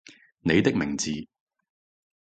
你的名字